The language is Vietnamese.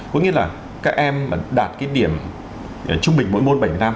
có nghĩa là các em đạt cái điểm trung bình mỗi môn bảy năm